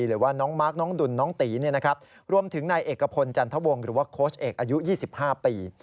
หรือว่าน้องมาร์คน้องดุลน้องตีรวมถึงนายเอกพลจันทวงหรือว่าโค้ชเอกอายุ๒๕ปี